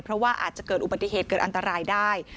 เพราะว่าอาจจะเกิดอุบัติเหตุเกิดอันตรายได้